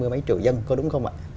hai mươi mấy triệu dân có đúng không ạ